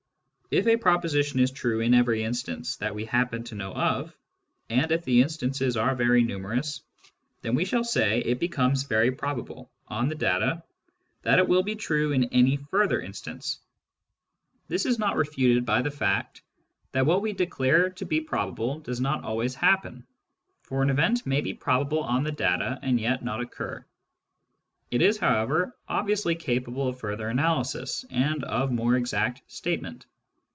If a proposition is true in every instance that we happen to know of, and if the instances are very numerous, then, we shall say, it becomes very probable, on the data, that it will be true in any further instance. This is not refuted by the fact that what we declare to be probable does not always happen, for an event may be ^ Book iiL, chapter xxL, § 3. Digitized by Google J } LOGIC AS THE ESSENCE OF PHILOSOPHY 37 probable on the data and yet not occur. It is, however, obviously capable of further analysis, and of more exact statement.